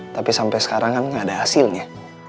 tapi sampai sekarang kan nggak ada hasilnya